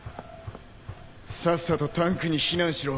さっさとタンクに避難しろ。